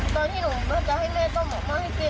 ตอนที่หนูจะให้แม่ก็บอกว่าให้กิน